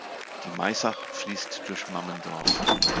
Die Maisach fließt durch Mammendorf.